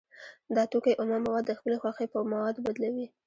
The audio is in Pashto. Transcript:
دا توکی اومه مواد د خپلې خوښې په موادو بدلوي